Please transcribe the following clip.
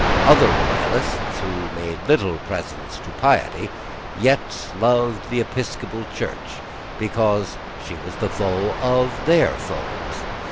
Other Royalists, who made little presence to piety, yet loved the episcopal church because she was the foe of their foes.